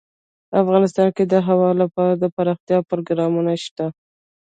افغانستان کې د هوا لپاره دپرمختیا پروګرامونه شته.